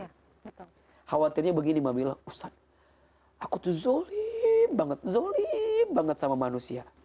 khawatirnya begini mamila ustadz aku tuh zolim banget zolim banget sama manusia